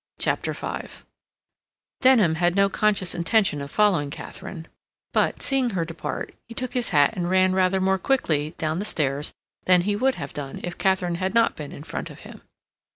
CHAPTER V Denham had no conscious intention of following Katharine, but, seeing her depart, he took his hat and ran rather more quickly down the stairs than he would have done if Katharine had not been in front of him.